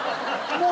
もう。